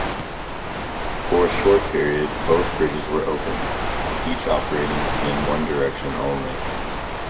For a short period both bridges were open, each operating in one direction only.